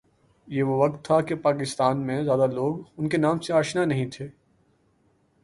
یہ وہ وقت تھا کہ پاکستان میں زیادہ لوگ ان کے نام سے آشنا نہیں تھے